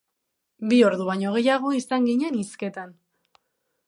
Bi ordu baino gehiago izan ginen hizketan.